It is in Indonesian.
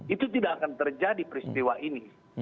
itu tidak akan terjadi peristiwa ini